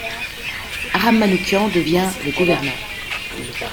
Aram Manoukian devient le gouverneur.